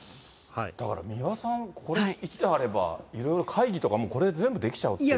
だから三輪さん、これ１台あれば、いろいろ会議とかもこれで全部できちゃうっていう。